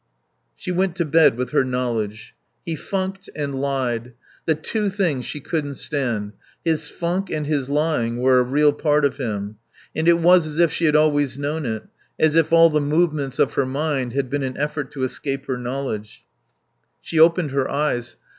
She went to bed with her knowledge. He funked and lied. The two things she couldn't stand. His funk and his lying were a real part of him. And it was as if she had always known it, as if all the movements of her mind had been an effort to escape her knowledge. She opened her eyes.